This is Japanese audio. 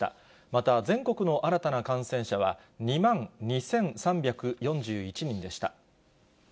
また全国の新たな感染者は、２万２３４１人でした。